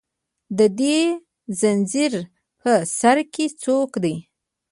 د دې زنځیر په سر کې څوک دي